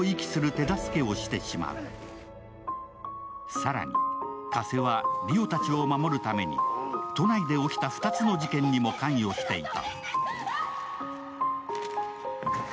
更に、加瀬は梨央たちを守るために都内で起きた２つの事件にも関与していた。